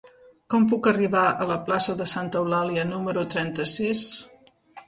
Com puc arribar a la plaça de Santa Eulàlia número trenta-sis?